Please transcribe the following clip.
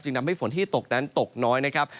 ทำให้ฝนที่ตกนั้นตกน้อยนะครับ